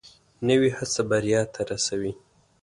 نوې هڅه بریا ته رسوي